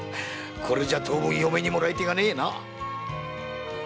これじゃ当分嫁にもらい手がねえなあ。